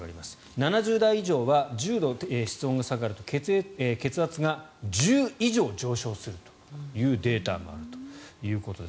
７０代以上は１０度室温が下がると血圧が１０以上上昇するというデータがあるということです。